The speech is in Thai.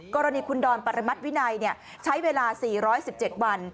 กรณีคุณดอนปรมัติวินัยใช้เวลา๔๑๗วัน